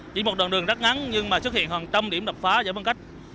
chỉ một đoạn đường rất ngắn nhưng mà xuất hiện hoàn trăm điểm đập phá giải phân cách